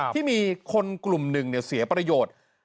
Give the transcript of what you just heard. ที่มีคนกลุ่มหนึ่งเสียประโยชน์